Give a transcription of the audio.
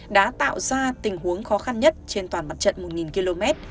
đã tạo ra tình huống khó khăn nhất trên toàn mặt trận một km